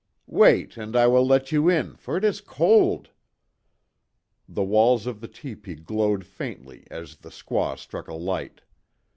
Wait, and I will let you in, for it is cold." The walls of the tepee glowed faintly as the squaw struck a light.